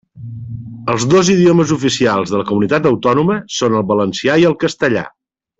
Els dos idiomes oficials de la comunitat autònoma són el valencià i el castellà.